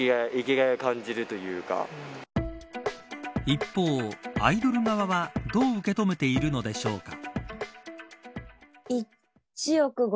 一方、アイドル側はどう受け止めているのでしょうか。